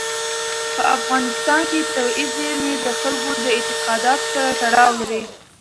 په افغانستان کې طبیعي زیرمې د خلکو د اعتقاداتو سره تړاو لري.